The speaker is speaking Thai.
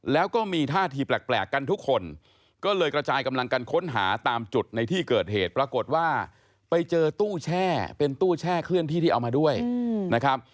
แล้วก็มีท่าทีแปลกกันทุกคนก็เลยกระจายกำลังกันค้นหาตามจุดในที่เกิดเหตุปรากฏว่าไปเจอตู้แช่เป็นตู้แช่เคลื่อนที่ที่เอามาด้วยนะครับ